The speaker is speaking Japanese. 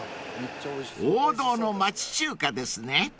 ［王道の町中華ですね］